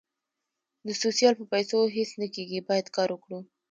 د سوسیال په پېسو هیڅ نه کېږي باید کار وکړو